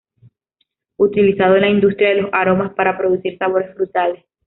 Utilizado en la industria de los aromas para producir sabores frutales.